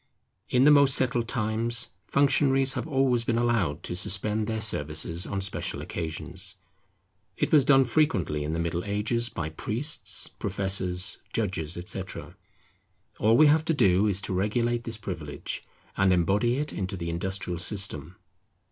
In the most settled times functionaries have always been allowed to suspend their services on special occasions. It was done frequently in the Middle Ages by priests, professors, judges, etc. All we have to do is to regulate this privilege, and embody it into the industrial system.